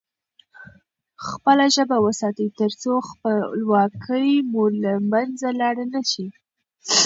خپله ژبه وساتئ ترڅو خپلواکي مو له منځه لاړ نه سي.